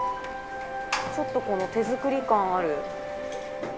ちょっと、この手作り感ある。